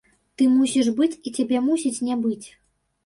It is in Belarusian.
Ты мусіш быць і цябе мусіць не быць.